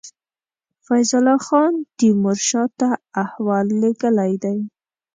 فیض الله خان تېمور شاه ته احوال لېږلی دی.